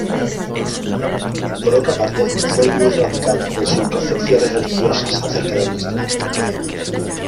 Por otra parte, fue muy radical en sus concepciones religiosas acerca del islam.